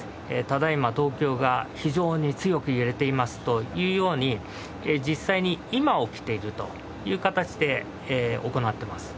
「ただ今東京が非常に強く揺れています」というように実際に今起きているという形で行ってます。